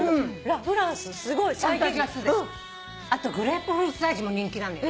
グレープフルーツ味も人気なのよ。